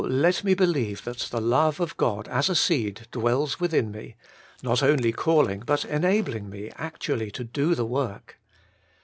let me believe that the love of God as a seed dwells within me, not only calling but enabling me actually to do the work.